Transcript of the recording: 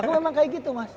aku memang kayak gitu mas